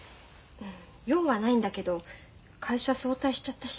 用はないんだけど会社早退しちゃったし。